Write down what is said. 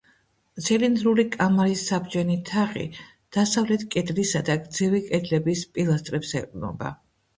ცილინდრული კამარის საბჯენი თაღი დასავლეთ კედლისა და გრძივი კედლების პილასტრებს ეყრდნობა.